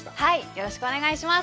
よろしくお願いします。